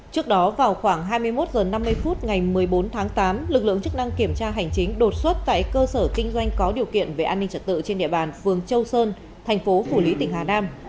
trước đó vào khoảng hai mươi một h năm mươi phút ngày một mươi bốn tháng tám lực lượng chức năng kiểm tra hành chính đột xuất tại cơ sở kinh doanh có điều kiện về an ninh trật tự trên địa bàn phường châu sơn thành phố phủ lý tỉnh hà nam